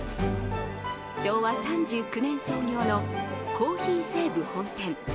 昭和３９年創業の珈琲西武本店。